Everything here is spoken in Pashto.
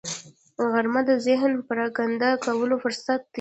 غرمه د ذهن د پرېکنده کولو فرصت دی